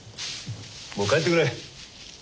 もう帰ってくれ。